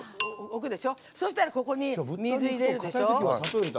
そしたら、ここに水入れるでしょ。